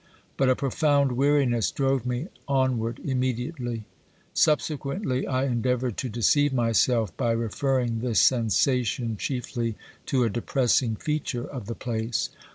But a profound weari ness drove me onward immediately. Subsequently I endeavoured to deceive myself by referring this sensation chiefly to a depressing feature of the place.